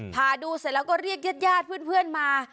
พาดูเสร็จแล้วก็เรียกญาติเพื่อนมา